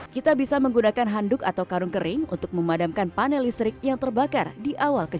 kita bisa menggunakan handuk atau karung kering untuk memadamkan panel listrik yang terbakar di awal kejadian